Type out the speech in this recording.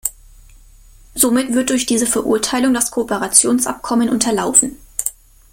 Somit wird durch diese Verurteilung das Kooperationsabkommen unterlaufen.